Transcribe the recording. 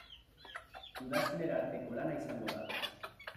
Udazkenera arteko lana izango da.